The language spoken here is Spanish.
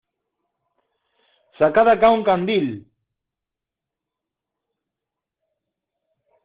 ¡ sacad acá un candil!...